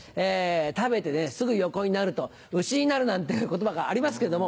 食べてすぐ横になるとウシになるなんていう言葉がありますけれども。